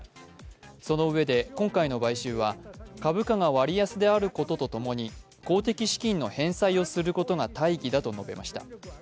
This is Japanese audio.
そのうえで今回の買収は株価が割安であることと共に公的資金の返済をすることが大義だと述べました。